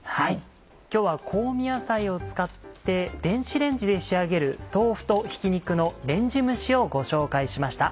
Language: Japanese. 今日は香味野菜を使って電子レンジで仕上げる「豆腐とひき肉のレンジ蒸し」をご紹介しました。